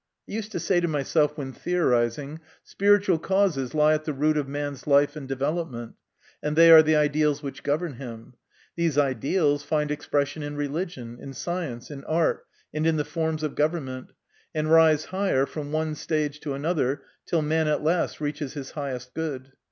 I used to say to myself when theorising, " Spiritual causes lie at the root of man's life and development, and they are the ideals which govern him. These ideals find expression in religion, in science, in art, and in the forms of government, and rise higher, from one stage to another, till man at last reaches his highest good.